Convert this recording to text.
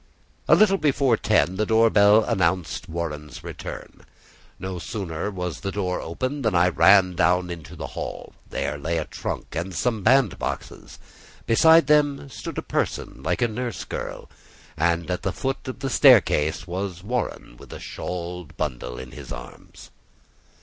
A little before ten the door bell announced Warren's return. No sooner was the door opened than I ran down into the hall; there lay a trunk and some band boxes, beside them stood a person like a nurse girl, and at the foot of the staircase was Warren with a shawled bundle in his arms.